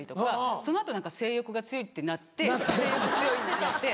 その後性欲が強いってなって性欲強いってなって。